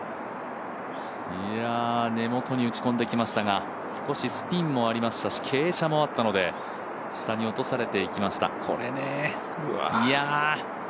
根元に打ち込んできましたが少しスピンもありましたし傾斜もあったので下に落とされていきました。